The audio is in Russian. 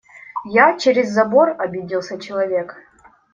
Я?.. Через забор?.. – обиделся человек.